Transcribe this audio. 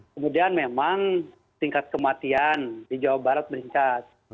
kemudian memang tingkat kematian di jawa barat meningkat